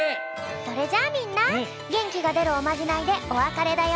それじゃあみんなげんきがでるおまじないでおわかれだよ。